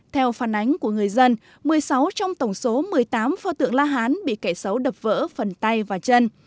theo phản ánh của người dân một mươi sáu trong tổng số một mươi tám pho tượng la hán bị kẻ xấu đập vỡ phần tay và chân